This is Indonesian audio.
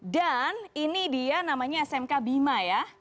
dan ini dia namanya smk bima ya